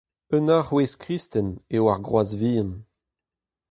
Un arouez kristen eo ar groaz vihan.